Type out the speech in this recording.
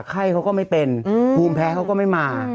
ไข้เขาก็ไม่เป็นภูมิแพ้เขาก็ไม่มา